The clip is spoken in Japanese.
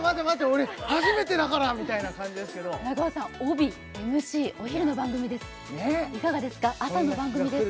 俺はじめてだからみたいな感じですけど中尾さん帯ＭＣお昼の番組ですねっいかがですか朝の番組です